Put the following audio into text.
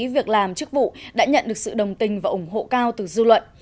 việc làm chức vụ đã nhận được sự đồng tình và ủng hộ cao từ dư luận